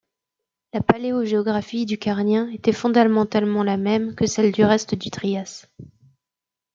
La paléogéographie du Carnien était fondamentalement la même que celle du reste du Trias.